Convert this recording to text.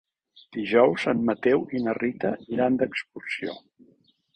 Dijous en Mateu i na Rita iran d'excursió.